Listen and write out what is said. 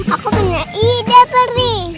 aku punya ide perni